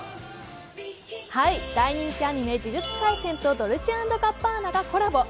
大人気アニメ「呪術廻戦」とドルチェ＆ガッバーナがコラボ。